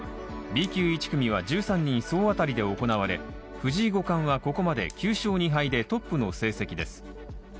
Ｂ級１組は１３人総当たりで行われ藤井五冠はここまで９勝２敗でトップの成績です。